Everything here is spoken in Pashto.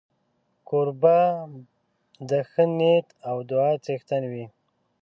کوربه د ښې نیت او دعا څښتن وي.